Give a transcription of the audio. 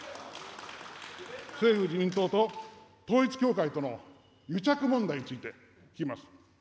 政府・自民党と統一教会との癒着問題について聞きます。